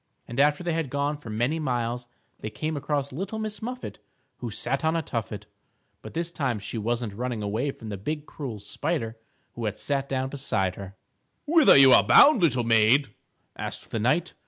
And after they had gone for many miles, they came across Little Miss Muffet who sat on a tuffet. But this time she wasn't running away from the big cruel spider who had sat down beside her. "Whither are you bound, little maid?" asked the knight.